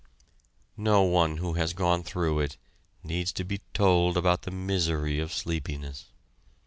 No one who has gone through it needs to be told about the misery of sleepiness.